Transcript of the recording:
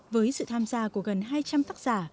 với sự tham gia của gần hai trăm linh tác giả